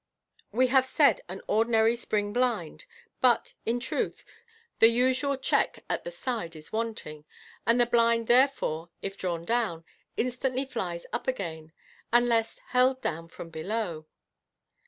We have said an ordinary spring blind, but, in truth, the usual check at the side is wanting, and the blind therefore, if drawn down, instantly flies up again, unless held down from below.